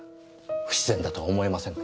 不自然だと思いませんか？